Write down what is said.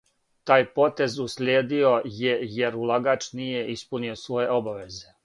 Тај потез услиједио је јер улагач није испунио своје обавезе.